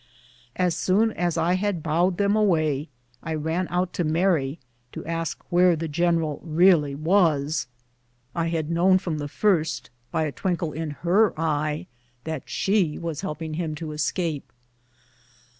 As soon as I had bowed them away, I ran out to Mary to ask where the general really was. I had known from the first, by a twinkle in her eye, that she was helping him to escape.